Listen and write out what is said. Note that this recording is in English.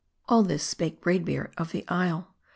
All this spake Braid Beard, of the isle.